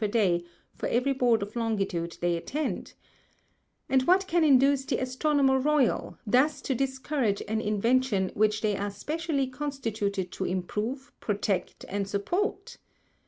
per Day for every Board of Longitude they attend) and what can induce the Astronomer Royal, thus to discourage an Invention which they are specially constituted to improve, protect, and support?